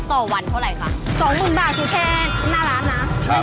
ต่อวันเท่าไรคะสองหมูนบาทแค้งหน้าร้านนะ